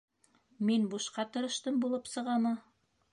- Мин бушҡа тырыштым булып сығамы?!